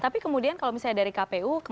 tapi kemudian kalau misalnya dari kpu